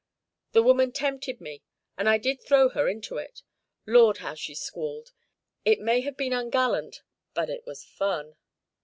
The woman tempted me, and I did throw her into it. Lord, how she squalled! It may have been ungallant, but it was fun."